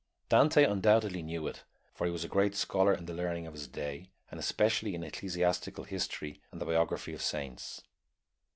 Dante undoubtedly knew it, for he was a great scholar in the learning of his day, and especially in ecclesiastical history and the biography of saints.